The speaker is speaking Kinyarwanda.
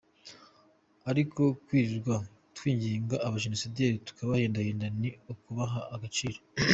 Ariko kwirirwa twinginga abajenosideri tubahendahenda ni ukubaha agaciro.